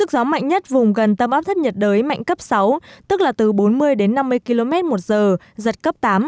gió mạnh nhất vùng gần tâm áp thấp nhiệt đới mạnh cấp sáu tức là từ bốn mươi đến năm mươi km một giờ giật cấp tám